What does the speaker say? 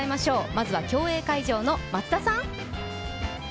まずは競泳会場の松田さん。